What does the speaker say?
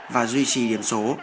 và duy trì điểm số